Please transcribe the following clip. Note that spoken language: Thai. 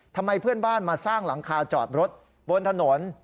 ทำไมเพื่อนบ้านมาสร้างหลังคาจอดรถบนถนน